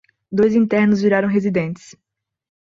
Dois internos viraram residentes